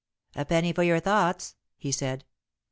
"A penny for your thoughts," he said.